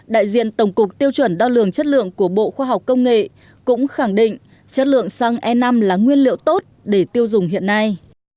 đại diện tổng cục tiêu chuẩn đo lường chất lượng của bộ khoa học công nghệ cũng khẳng định chất lượng xăng e năm là nguyên liệu tốt để tiêu dùng hiện nay